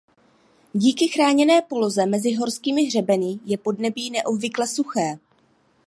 Díky chráněné poloze mezi horskými hřebeny je podnebí neobvykle suché.